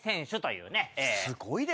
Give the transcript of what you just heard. すごいですね。